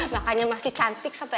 makanya masih cantik sampe